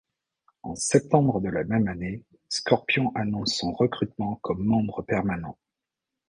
En septembre de la même année, Scorpions annonce son recrutement comme membre permanent.